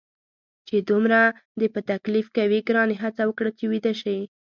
چې دومره دې په تکلیف کوي، ګرانې هڅه وکړه چې ویده شې.